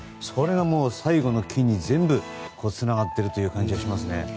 それが全部、最後の金につながっているという感じがしますね。